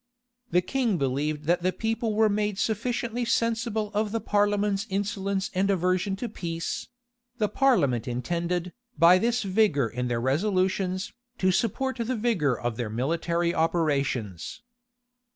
[] The king believed that the people were made sufficiently sensible of the parliament's insolence and aversion to peace: the parliament intended, by this vigor in their resolutions, to support the vigor of their military operations.